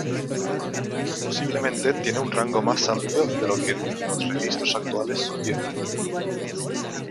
Posiblemente tiene un rango más amplio de lo que los registros actuales sugieren.